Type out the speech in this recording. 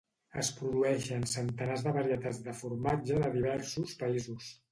Es produeixen centenars de varietats de formatge de diversos països.